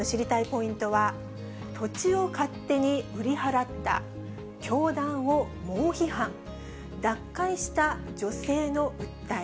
ポイントは、土地を勝手に売り払った、教団を猛批判、脱会した女性の訴え。